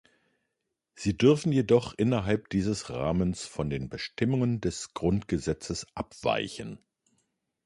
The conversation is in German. Sie dürfen jedoch innerhalb dieses Rahmens von den Bestimmungen des Grundgesetzes abweichen.